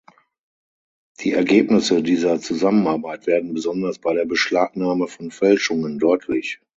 Die Ergebnisse dieser Zusammenarbeit werden besonders bei der Beschlagnahme von Fälschungen deutlich.